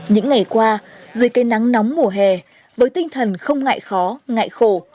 những ngày qua dưới cây nắng nóng mùa hè với tinh thần không ngại khó ngại khổ